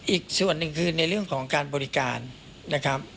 อีกส่วนหนึ่งคือในเรื่องของการบริการนะครับ